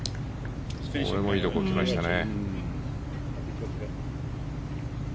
これもいいところに来ましたね。